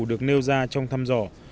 được nêu ra trong thăm dò